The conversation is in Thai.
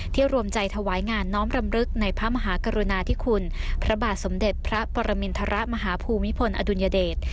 รวมใจถวายงานน้อมรำลึกในพระมหากรุณาธิคุณพระบาทสมเด็จพระปรมินทรมาฮภูมิพลอดุลยเดช